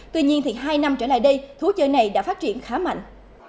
tuy nhiên hai năm trở lại đây thú chơi này đã phát triển khá mạnh